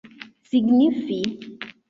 signifi